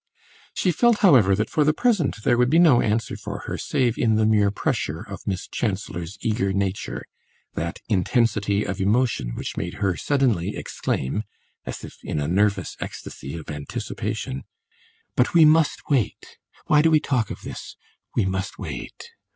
She felt, however, that for the present there would be no answer for her save in the mere pressure of Miss Chancellor's eager nature, that intensity of emotion which made her suddenly exclaim, as if in a nervous ecstasy of anticipation, "But we must wait! Why do we talk of this? We must wait!